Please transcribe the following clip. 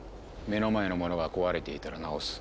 目の前のものが壊れていたらなおす。